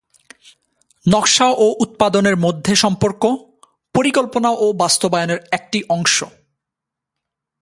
নকশা ও উৎপাদনের মধ্যে সম্পর্ক পরিকল্পনা ও বাস্তবায়নের একটি অংশ।